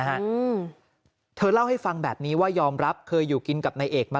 ฮะอืมเธอเล่าให้ฟังแบบนี้ว่ายอมรับเคยอยู่กินกับนายเอกมา